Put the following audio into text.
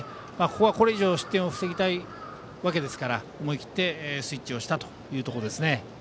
ここは、これ以上の失点を防ぎたいわけですから思い切ってスイッチしたというところですね。